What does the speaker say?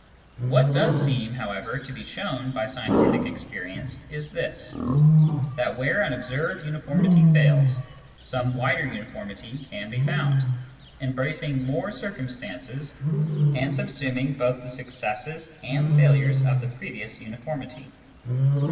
What does seem, however, to be shown by scientific experience is this : Digitized by Google 2i8 SCIENTIFIC METHOD IN PHILOSOPHY that where an observed uniformity fails, some wider uniformity can be found, embracing more circumstances, and subsuming both the successes and the failures of the previous uniformity.